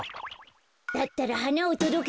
だったらはなをとどけて。